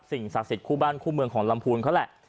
ศักดิ์สิทธิคู่บ้านคู่เมืองของลำพูนเขาแหละ